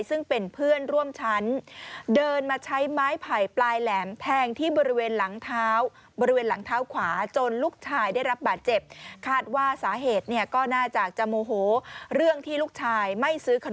ซึ่งเป็นเพื่อนร่วมชั้นเดินมาใช้ไม้ไผลปลายแหลมแพงที่บริเวณหลังเท้า